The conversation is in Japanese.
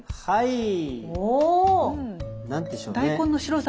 はい。